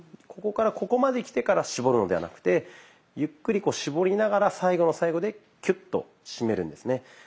ここからここまできてから絞るのではなくてゆっくりこう絞りながら最後の最後でキュッと締めるんですね。